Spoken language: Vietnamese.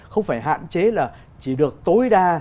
không phải hạn chế là chỉ được tối đa